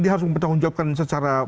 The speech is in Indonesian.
dia harus mempertahankan secara